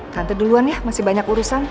tante duluan ya masih banyak urusan